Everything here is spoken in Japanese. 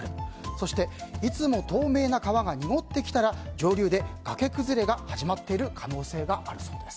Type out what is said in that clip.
そして、いつも透明な川が濁ってきたら上流で崖崩れが始まっている可能性があるそうです。